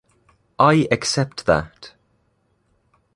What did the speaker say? I accept that.